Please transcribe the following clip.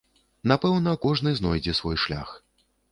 Напэўна, кожны знойдзе свой шлях.